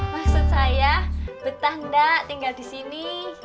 maksud saya betah enggak tinggal disini